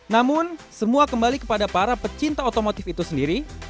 namun semua kembali kepada para pecinta otomotif itu sendiri